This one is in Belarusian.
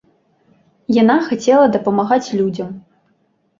Яна хацела дапамагаць людзям.